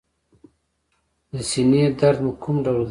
د سینې درد مو کوم ډول دی؟